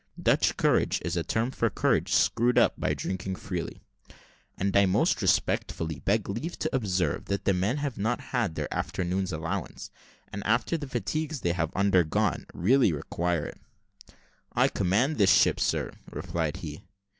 (Dutch courage is a term for courage screwed up by drinking freely.) "And I most respectfully beg leave to observe, that the men have not had their afternoon's allowance; and, after the fatigues they have undergone, really require it." "I command this ship, sir," replied he.